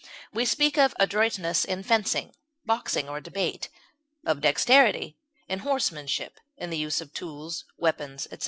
We speak of adroitness in fencing, boxing, or debate; of dexterity in horsemanship, in the use of tools, weapons, etc.